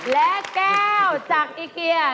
และแก้วจากอีเกีย